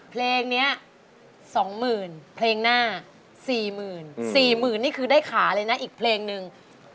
เพลงเนี้ยสองหมื่นเพลงหน้าสี่หมื่นสี่หมื่นนี่คือได้ขาเลยนะอีกเพลงหนึ่ง